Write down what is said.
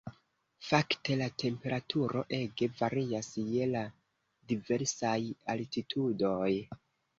Fakte la temperaturo ege varias je la diversaj altitudoj.